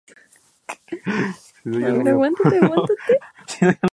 Una vez más, la documentación y la divulgación completa son muy necesarias.